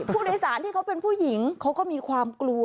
ผู้โดยสารที่เขาเป็นผู้หญิงเขาก็มีความกลัว